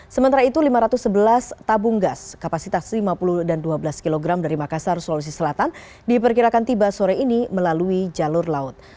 sementara itu lima ratus sebelas tabung gas kapasitas lima puluh dan dua belas kg dari makassar sulawesi selatan diperkirakan tiba sore ini melalui jalur laut